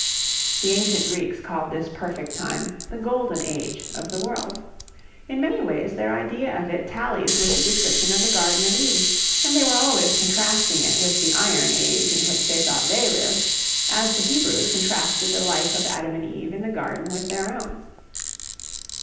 The ancient Greeks called this perfect time the 'Golden Age' of the world. In many ways their idea of it tallies with the description of the Garden of Eden, and they were always contrasting with it the 'Iron Age' in which they thought they lived, as the Hebrews contrasted the life of Adam and Eve in the garden with their own.